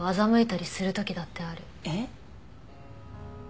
えっ？